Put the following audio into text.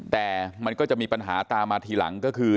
แต่มันก็จะมีปัญหาตามมาทีหลังก็คือ